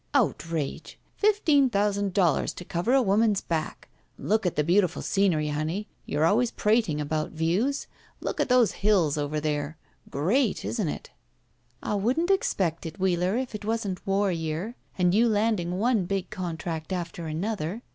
"Outrage — ^fifteen thousand dollars to cover a woman's back! Look at the beautiful scenery, honey! You're always prating about views. Look at those hills over there! Great — ^isn't it?" "I wouldn't expect it, Wheeler, if it wasn't war year and you landing one big contract after another.